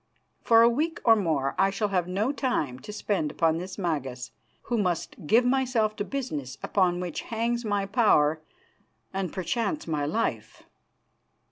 For a week or more I shall have no time to spend upon this Magas, who must give myself to business upon which hangs my power and perchance my life."